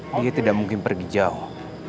dia tidak mungkin pergi jauh